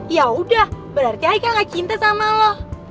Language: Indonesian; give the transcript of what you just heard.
yaudah berarti haikal gak cinta sama lo